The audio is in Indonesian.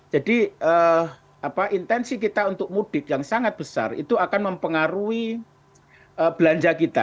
jadi intensi kita untuk mudik yang sangat besar itu akan mempengaruhi belanja kita